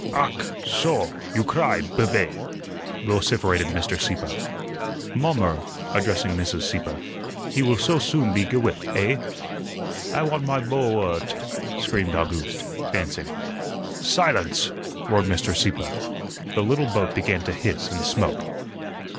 "Ach, soh; you cry, bube!" vociferated Mr. Sieppe. "Mommer," addressing Mrs. Sieppe, "he will soh soon be ge whipt, eh?" "I want my boa wut," screamed August, dancing. "Silence!" roared Mr. Sieppe. The little boat began to hiss and smoke.